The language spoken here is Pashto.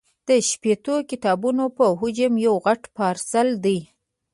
د شپېتو کتابونو په حجم یو غټ پارسل دی.